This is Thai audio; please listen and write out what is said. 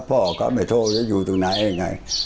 พ่อเขาไม่โทรจะอยู่ตรงไหนไง